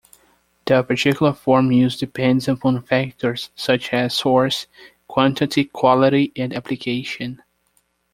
The particular form used depends upon factors such as source, quantity, quality and application.